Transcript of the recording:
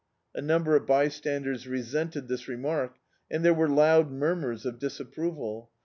A num ber of bystanders resented this remark, and there were loud murmurs of disapproval.